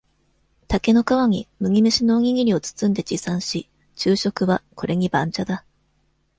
竹の皮に、麦飯のおにぎりを包んで持参し、昼食は、これに、番茶だ。